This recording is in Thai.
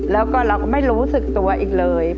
แล้วก็เราก็ไม่รู้สึกตัวอีกเลย